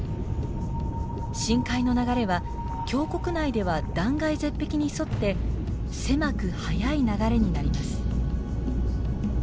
深海の流れは峡谷内では断崖絶壁に沿って狭く速い流れになります。